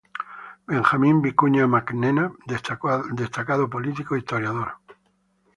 Benjamín Vicuña Mackenna: Destacado político e historiador.